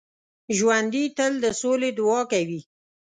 ژوندي تل د سولې دعا کوي